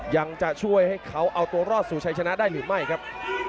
ยังจะช่วยให้เขาเอาตัวรอดสู่ชัยชนะได้หรือไม่ครับ